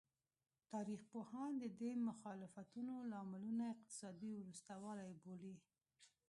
تاریخ پوهان د دې مخالفتونو لاملونه اقتصادي وروسته والی بولي.